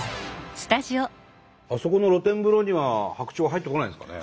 あそこの露天風呂には白鳥は入ってこないんですかね？